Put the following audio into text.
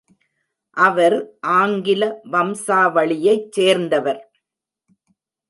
அவர் ஆங்கில வம்சாவளியைச் சேர்ந்தவர்.